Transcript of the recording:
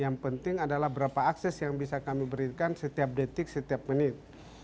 dan juga penting adalah berapa akses yang bisa kami berikan setiap detik setiap menit